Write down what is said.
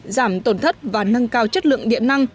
giảm tổn thất và nâng cao chất lượng điện năng